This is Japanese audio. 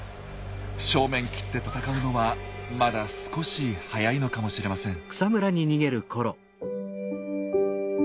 正面切って戦うのはまだ少し早いのかもしれません。